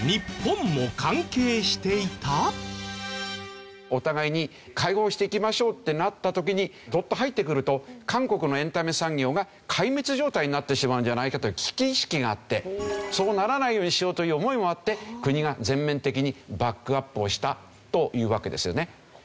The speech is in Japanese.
実はお互いに開放していきましょうってなった時にどっと入ってくると韓国のエンタメ産業が壊滅状態になってしまうんじゃないかという危機意識があってそうならないようにしようという思いもあって国が全面的にバックアップをしたというわけですよね。